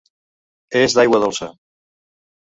És d'aigua dolça.